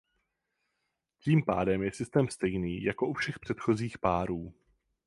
Tím pádem je systém stejný jako u všech předchozích párů.